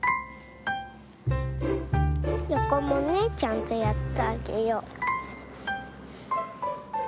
よこもねちゃんとやってあげよう。